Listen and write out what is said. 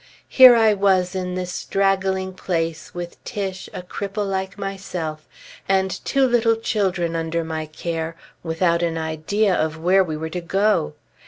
Here I was in this straggling place, with Tiche, a cripple like myself, and two little children under my care, without an idea of where we were to go.